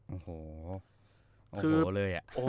โอ้โหโอ้โหเลยอะ